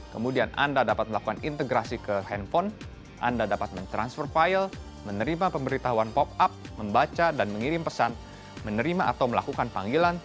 kemudian anda dapat melakukan integrasi ke handphone anda dapat mentransfer file menerima pemberitahuan pop up membaca dan mengirim pesan menerima atau melakukan panggilan